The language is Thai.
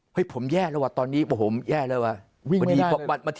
ผมแย่แล้วว่ะตอนนี้โอ้โหแย่แล้วว่ะ